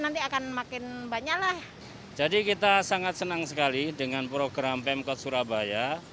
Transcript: nanti akan makin banyak lah jadi kita sangat senang sekali dengan program pemkot surabaya